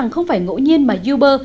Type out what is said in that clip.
không phải ngẫu nhiên mà uber